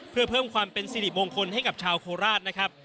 เพื่อเพิ่มความเป็นสิริมงคลให้กับชาวโคราชนะครับ